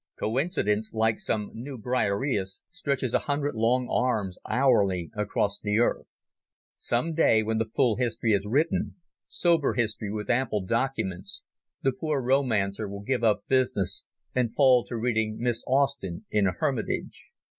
Coincidence, like some new Briareus, stretches a hundred long arms hourly across the earth. Some day, when the full history is written—sober history with ample documents—the poor romancer will give up business and fall to reading Miss Austen in a hermitage.